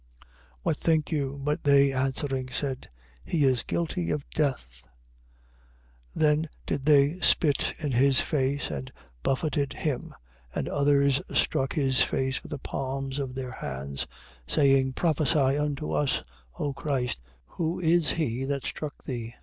26:66. What think you? But they answering, said: He is guilty of death. 26:67. Then did they spit in his face and buffeted him. And others struck his face with the palms of their hands, 26:68. Saying: Prophesy unto us, O Christ. Who is he that struck thee?